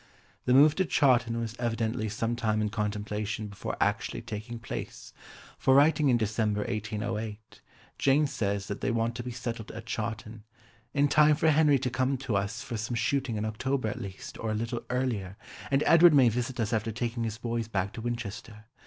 The move to Chawton was evidently some time in contemplation before actually taking place, for writing in December 1808, Jane says that they want to be settled at Chawton "in time for Henry to come to us for some shooting in October at least, or a little earlier, and Edward may visit us after taking his boys back to Winchester.